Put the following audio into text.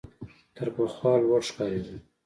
تر پخوا لوړ ښکارېده .